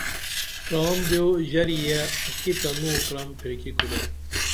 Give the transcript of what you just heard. ترام دیو ژرے اکی تنو کرم پھرکی کُرے